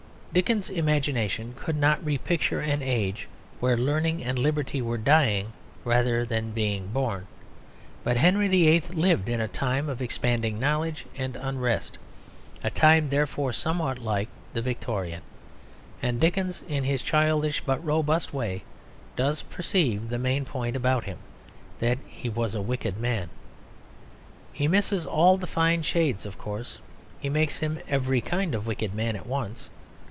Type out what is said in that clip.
Dickens's imagination could not re picture an age where learning and liberty were dying rather than being born: but Henry VIII. lived in a time of expanding knowledge and unrest; a time therefore somewhat like the Victorian. And Dickens in his childish but robust way does perceive the main point about him: that he was a wicked man. He misses all the fine shades, of course; he makes him every kind of wicked man at once.